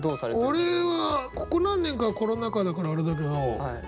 俺はここ何年かはコロナ禍だからあれだけど。